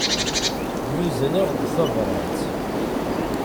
Yuzen-aɣ-d tabrat.